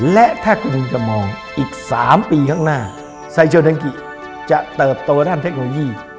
และถ้าคุณจะมองอีก๓ปีข้างหน้าไซโยเดงกิจะเติบโตด้านเทคโนโลยี